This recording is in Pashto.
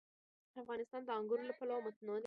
افغانستان د انګور له پلوه متنوع دی.